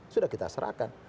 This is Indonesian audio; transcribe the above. sudah kita serahkan